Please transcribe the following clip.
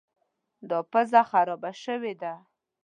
دا پزه خرابه شوې ده.